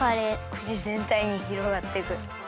くちぜんたいにひろがっていく。